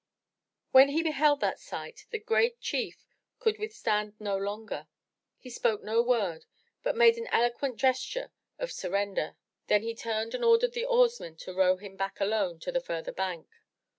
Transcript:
When he beheld that sight, the great chief could withstand no longer. He spoke no word, but made an eloquent gesture of surrender. Then he turned and ordered the oarsmen to row him back alone to the further bank.